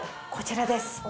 こちらです。